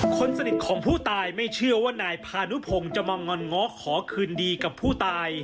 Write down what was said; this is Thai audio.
คนสนิทของผู้ตายไม่เชื่อว่านายพานุพงศ์จะมางอนง้อขอคืนดีกับผู้ตาย